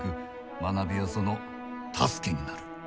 学びはその助けになる。